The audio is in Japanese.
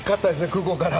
空港から。